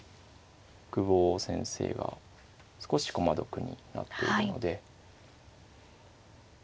久保先生が少し駒得になっているので。